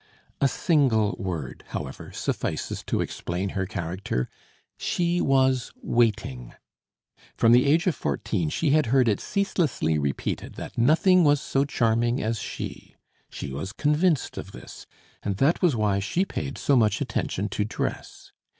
A single word, however, suffices to explain her character, she was waiting. From the age of fourteen she had heard it ceaselessly repeated that nothing was so charming as she. She was convinced of this, and that was why she paid so much attention to dress.